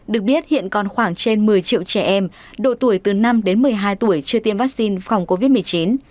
được biết hiện còn khoảng trên một mươi triệu trẻ em độ tuổi từ năm đến một mươi hai tuổi chưa tiêm vaccine phòng covid một mươi chín